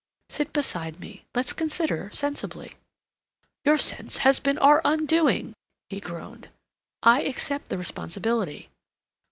"Sit beside me. Let's consider sensibly—" "Your sense has been our undoing—" he groaned. "I accept the responsibility."